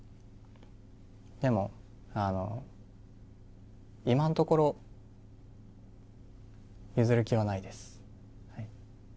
でも、今のところ譲る気はないです。